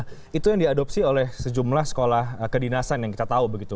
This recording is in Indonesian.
nah itu yang diadopsi oleh sejumlah sekolah kedinasan yang kita tahu begitu